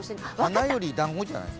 花より団子じゃない？